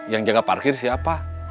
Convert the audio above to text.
yang jaga parkir siapa